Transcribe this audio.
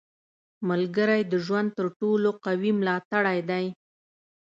• ملګری د ژوند تر ټولو قوي ملاتړی دی.